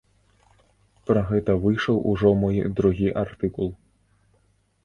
Пра гэта выйшаў ужо мой другі артыкул.